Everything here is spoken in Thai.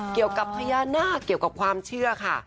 เกี่ยวกับพญานาคเกี่ยวกับความเชื่อค่ะ